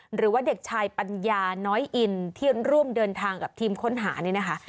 หรือว่าเด็กชายปัญญาน้อยอินที่ร่วมเดินทางกับทีมค้นหานี่นะคะ